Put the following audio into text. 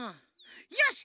よし！